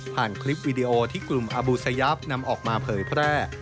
ผ่านคลิปวิดีโอที่กลุ่มอบุษยาปนำออกมาเผยแพร่